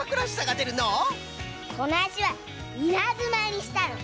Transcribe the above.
このあしはいなずまにしたの！